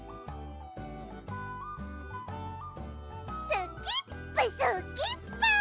「」スキップスキップ！